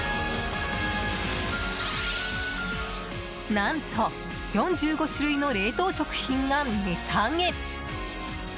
何と４５種類の冷凍食品が値下げ。